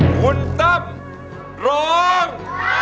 คุณต่ำมร้อง